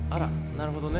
なるほどね。